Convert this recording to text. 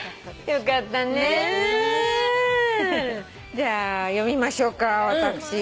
じゃあ読みましょうか私。